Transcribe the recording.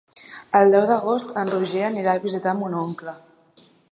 El deu d'agost en Roger anirà a visitar mon oncle.